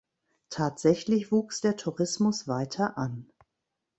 Tatsächlich wuchs der Tourismus weiter an.